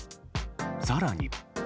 更に。